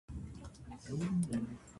These are not the tales of Hornblower.